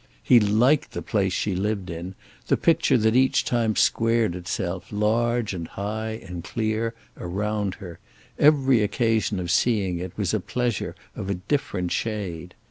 He liked the place she lived in, the picture that each time squared itself, large and high and clear, around her: every occasion of seeing it was a pleasure of a different shade.